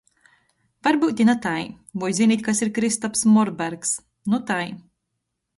Varbyut i na tai. Voi zinit, kas ir Kristaps Morbergs? Nu tai.